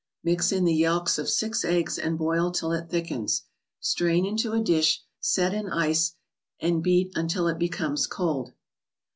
Mix in the yelks of six eggs and boil till it thickens. Strain into a dish, set in ice, and bea until it becomes cold.